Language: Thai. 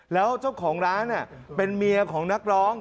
แล้วเจ้าของร้านเป็นเมียของนักร้อง